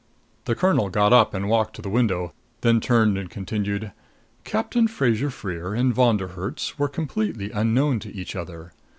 The colonel got up and walked to the window; then turned and continued: "Captain Fraser Freer and Von der Herts were completely unknown to each other.